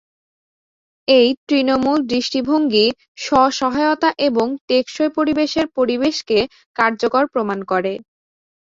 এই তৃণমূল দৃষ্টিভঙ্গি স্ব-সহায়তা এবং টেকসই পরিবেশের পরিবেশকে কার্যকর প্রমাণ করে।